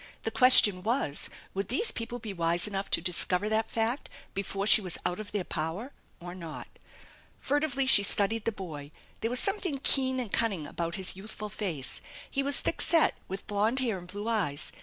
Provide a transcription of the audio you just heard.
The question was, would these people be wise enough to discover that f act before she was out of their power or not ? Furtively she studied the boy. There was something keen and cunning about his youthful face. He was thick set, with blond hair and blue eyes.